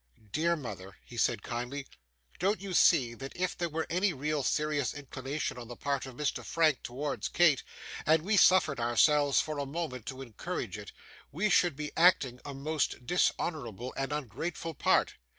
'Dear mother,' he said kindly, 'don't you see that if there were really any serious inclination on the part of Mr. Frank towards Kate, and we suffered ourselves for a moment to encourage it, we should be acting a most dishonourable and ungrateful part?